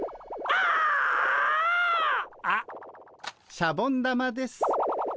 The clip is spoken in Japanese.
シャボン玉です。